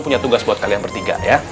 punya tugas buat kalian bertiga ya